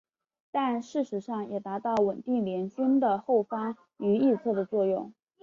但事实上也达到稳定联军的后方和侧翼的作用。